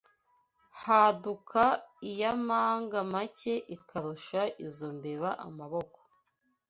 Haduka iy'amanga make ikarusha izo mbeba amaboko